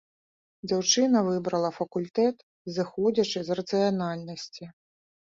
Дзяўчына выбрала факультэт, зыходзячы з рацыянальнасці.